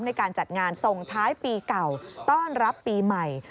ในการจัดงานส่งท้ายปีเก่าต้อนรับปีใหม่